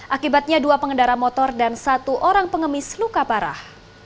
akibatnya dua pengendara motor dan satu orang pengemis luka parah